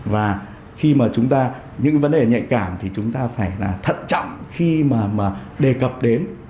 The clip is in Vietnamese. và khi mà chúng ta những vấn đề nhạy cảm thì chúng ta phải là thận trọng khi mà đề cập đến